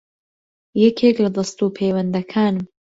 یەکێک لە دەستوپێوەندەکانم